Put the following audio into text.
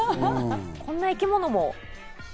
こんな生き物も。